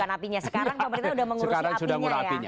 bukan apinya sekarang pemerintah sudah mengurus apinya ya